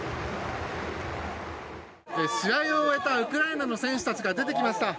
試合を終えたウクライナの選手たちが出てきました。